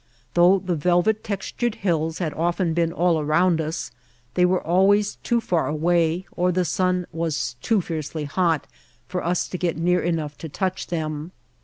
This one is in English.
Though the velvet textured hills had often been all around us, they were always too far away or the sun was too fiercely hot for us to get near enough to touch them.